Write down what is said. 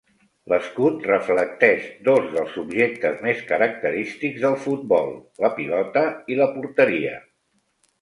L'escut reflecteix dos dels objectes més característics del futbol, la pilota i la porteria.